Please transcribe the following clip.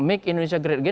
make indonesia great again